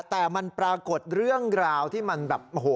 แต่มันปรากฏเรื่องราวที่มันแบบโอ้โห